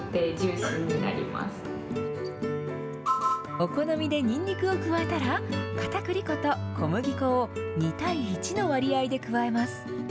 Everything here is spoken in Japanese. お好みでにんにくを加えたら、かたくり粉と小麦粉を２対１の割合で加えます。